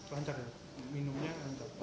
lancar ya minumnya lancar